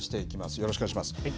よろしくお願いします。